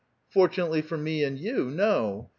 " "Fortunately for me and you, no !